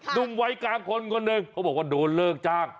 หนุ่มวัยกลางคนคนหนึ่งเขาบอกว่าโดนเลิกจ้าง